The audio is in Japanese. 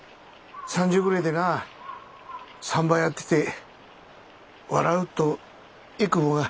３０ぐれえでなぁ産婆やってて笑うとえくぼが。